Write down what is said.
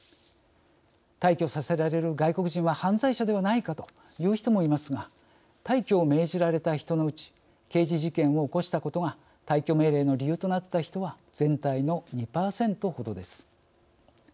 退去させられる外国人は犯罪者ではないかという人もいますが退去を命じられた人のうち刑事事件を起こしたことが退去命令の理由となった人は全体の２％ほどです。